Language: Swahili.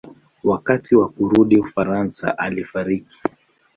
Wakati wa kurudi Ufaransa alifariki.